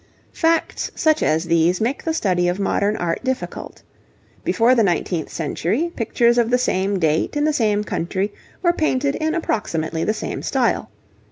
Facts such as these make the study of modern art difficult. Before the nineteenth century, pictures of the same date in the same country were painted in approximately the same style.